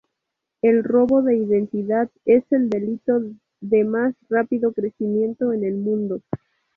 El robo de identidad es el delito de más rápido crecimiento en el mundo.